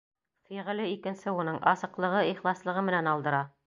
Фиғеле икенсе уның: асыҡлығы, ихласлығы менән алдыра.